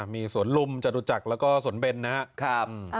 มีสวนลุมจตุจักรแล้วก็สวนเบนนะครับ